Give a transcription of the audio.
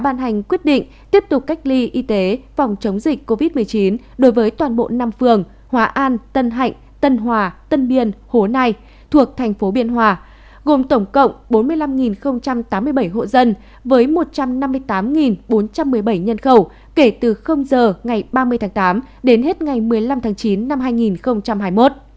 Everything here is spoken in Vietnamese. ubnd quyết định tiếp tục cách ly y tế phòng chống dịch covid một mươi chín đối với toàn bộ năm phường hòa an tân hạnh tân hòa tân biên hồ nai thuộc thành phố biên hòa gồm tổng cộng bốn mươi năm tám mươi bảy hộ dân với một trăm năm mươi tám bốn trăm một mươi bảy nhân khẩu kể từ giờ ngày ba mươi tháng tám đến hết ngày một mươi năm tháng chín năm hai nghìn hai mươi một